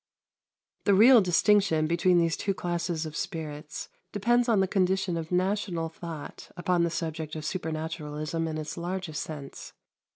The real distinction between these two classes of spirits depends on the condition of national thought upon the subject of supernaturalism in its largest sense.